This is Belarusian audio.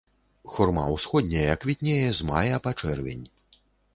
Хурма ўсходняя квітнее з мая па чэрвень.